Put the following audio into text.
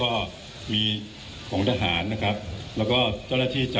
คุณผู้ชมไปฟังผู้ว่ารัฐกาลจังหวัดเชียงรายแถลงตอนนี้ค่ะ